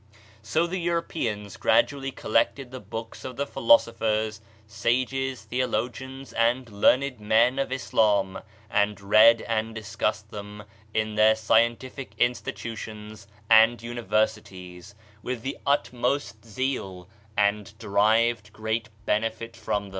So the Europeans gradually collected the books of the philosophers, sages, theologians, and learned men of Islam, and read and discussed them in their scientific institutions and universities with the utmost zeal, and derived great benefit from them.